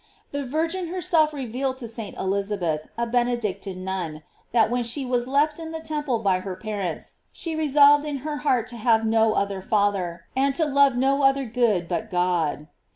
The Virgin herself revealed to St. Elizabeth, a Ben edictine nun, that when she was left in the tem ple by her parents, she resolved in her heart to have no other father, and to love no other good but God.